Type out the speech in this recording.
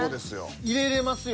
入れれますよ。